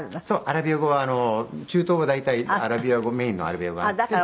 アラビア語はあの中東は大体アラビア語メインのアラビア語があって。